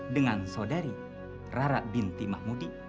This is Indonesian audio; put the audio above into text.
dengan saudari rara binti mahmudi